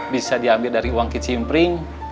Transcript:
bisa diambil dari uang kicimpring